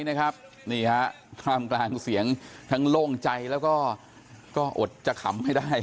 นี่ค่ะความกลางเสียงทั้งโล่งใจและอดจะขำให้ได้